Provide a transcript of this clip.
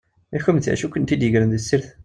I kunemti, d acu i kwen-t-id-igren di tessirt?